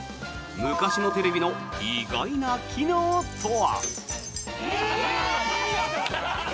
昔のテレビの意外な機能とは？